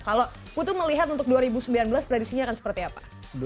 kalau putu melihat untuk dua ribu sembilan belas prediksinya akan seperti apa